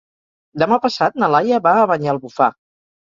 Demà passat na Laia va a Banyalbufar.